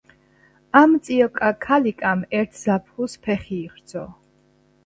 ამ წიოკა ქალიკამ ერთ ზაფხულს ფეხი იღრძო.